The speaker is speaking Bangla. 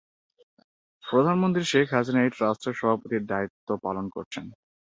প্রধানমন্ত্রী শেখ হাসিনা এই ট্রাস্টের সভাপতির দায়িত্ব পালন করছেন।